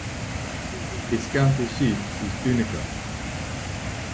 Its county seat is Tunica.